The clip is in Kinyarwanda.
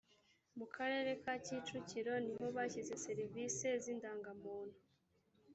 mu karere ka kicukiro niho bashyize serivise zi ndangamuntu